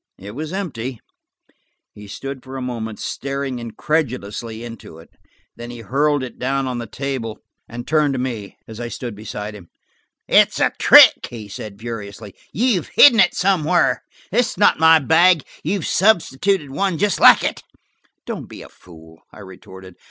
It was empty! He stood for a moment, staring incredulously into it. Then he hurled it down on the table and turned on me, as I stood beside him. "It's a trick!" he said furiously. "You've hidden it somewhere. This is not my bag. You've substituted one just like it." "Don't be a fool," I retorted.